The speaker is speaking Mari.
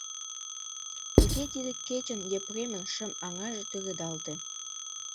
Тыге тиде кечын Епремын шым аҥаже тӱредалте.